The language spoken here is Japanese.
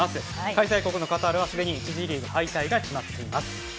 開催国のカタールはすでに１次リーグ敗退が決まっています。